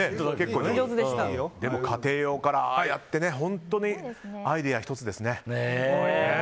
でも家庭用からああやって本当にアイデアひとつですね。